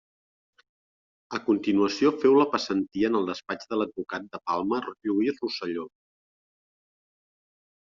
A continuació féu la passantia en el despatx de l'advocat de Palma Lluís Rosselló.